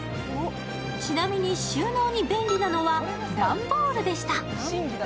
ちなみに収納に便利なのは段ボールでした。